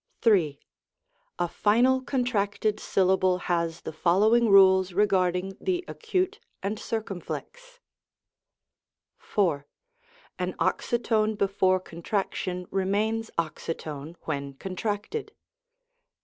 A final contracted syllable has the following rules regarding the acute and circumflex : IV. An oxytone before contraction remains oxy tone when contracted.